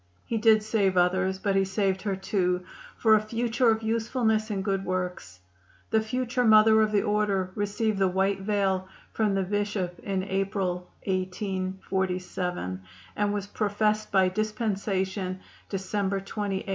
He did save others, but he saved her, too, for a future of usefulness and good works. The future Mother of the Order received the white veil from the Bishop in April, 1847, and was professed by dispensation December 28, 1848.